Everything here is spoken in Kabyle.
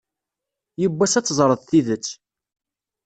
Yiwwas ad teẓreḍ tidet.